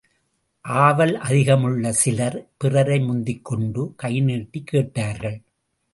ஆவல் அதிகமுள்ள சிலர், பிறரை முந்திக்கொண்டு, கைநீட்டிக் கேட்டார்கள்.